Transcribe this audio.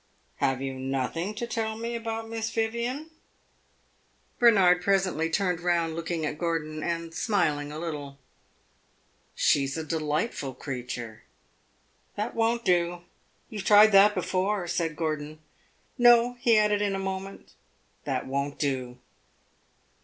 "Have you nothing to tell me about Miss Vivian?" Bernard presently turned round looking at Gordon and smiling a little. "She 's a delightful creature!" "That won't do you have tried that before," said Gordon. "No," he added in a moment, "that won't do."